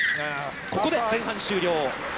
ここで前半終了。